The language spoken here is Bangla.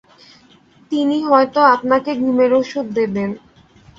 তিনি হয়তো আপনাকে ঘুমের ওষুধ দেবেন।